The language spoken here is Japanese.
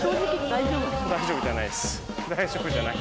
大丈夫じゃないです。